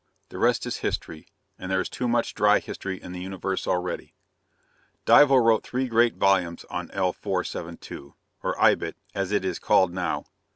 The rest is history, and there is too much dry history in the Universe already. Dival wrote three great volumes on L 472 or Ibit, as it is called now.